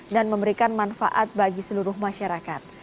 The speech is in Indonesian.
memberikan manfaat bagi seluruh masyarakat